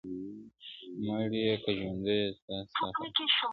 ه مړ يې که ژونديه ستا، ستا خبر نه راځي,